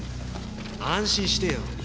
安心してよ。